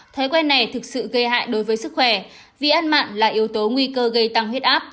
thói quen này thực sự gây hại đối với sức khỏe vì ăn mặn là yếu tố nguy cơ gây tăng huyết áp